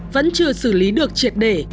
vẫn chưa xử lý được triệt để